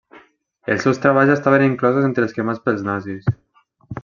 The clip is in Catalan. Els seus treballs estaven inclosos entre els cremats pels nazis.